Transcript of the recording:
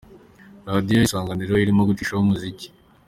: Radio Isanganiro irimo gucishaho umuziki